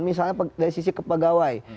misalnya dari sisi kepegawai